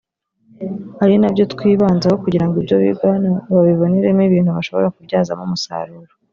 ari nabyo twibanzeho kugira ngo ibyo biga hano babibonemo ibintu bashobora kubyazamo umusaruro